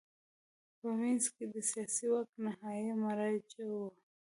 په وینز کې د سیاسي واک نهايي مرجع وه